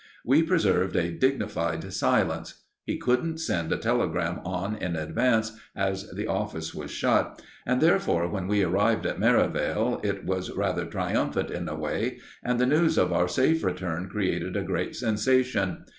We preserved a dignified silence. He couldn't send a telegram on in advance, as the office was shut, and therefore, when we arrived at Merivale, it was rather triumphant in a way, and the news of our safe return created a great sensation.